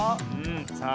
さあ